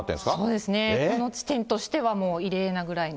そうですね、この地点としてはもう異例なぐらいの。